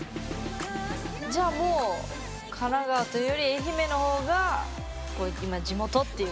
じゃあもう神奈川というよりそうですね